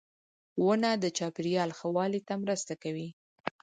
• ونه د چاپېریال ښه والي ته مرسته کوي.